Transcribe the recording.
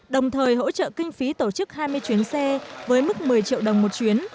đồng thời hỗ trợ kinh phí tổ chức hai mươi chuyến xe với mức một mươi triệu đồng một chuyến